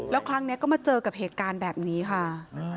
แล้วครั้งนี้ก็มาเจอกับเหตุการณ์แบบนี้ค่ะ